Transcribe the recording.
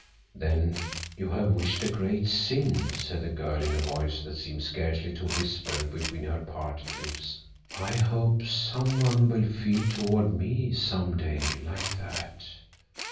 "Then you have wished a great sin," said the girl in a voice that seemed scarcely to whisper between her parted lips. "I hope someone will feel toward me—some day—like that."